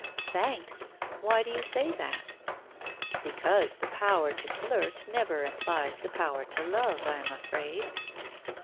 "Thanks. Why do you say that?" "Because the power to flirt never implies the power to love, I am afraid."